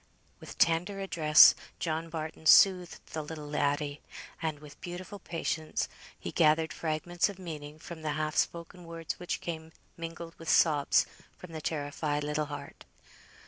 With tender address, John Barton soothed the little laddie, and with beautiful patience he gathered fragments of meaning from the half spoken words which came mingled with sobs from the terrified little heart.